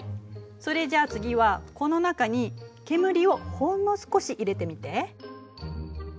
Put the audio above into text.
それじゃあ次はこの中に煙をほんの少し入れてみて。